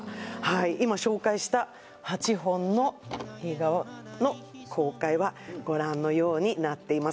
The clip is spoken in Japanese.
今紹介した８本の映画の公開はご覧のようになっています